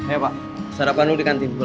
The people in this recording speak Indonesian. eh pak sarapan lu di kantin pukul delapan